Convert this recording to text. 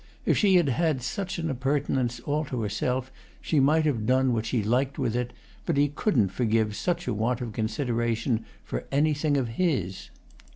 If she had had such an appurtenance all to herself she might have done what she liked with it; but he couldn't forgive such a want of consideration for anything of his.